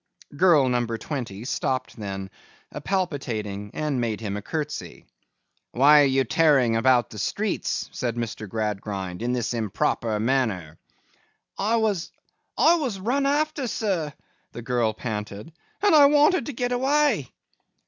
Girl number twenty stopped then, palpitating, and made him a curtsey. 'Why are you tearing about the streets,' said Mr. Gradgrind, 'in this improper manner?' 'I was—I was run after, sir,' the girl panted, 'and I wanted to get away.